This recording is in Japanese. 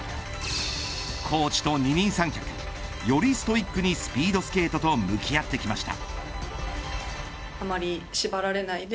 コーチと二人三脚よりストイックにスピードスケートと向き合ってきました。